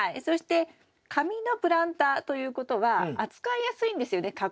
そして紙のプランターということは扱いやすいんですよね。